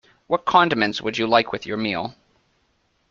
What condiments would you like with your meal?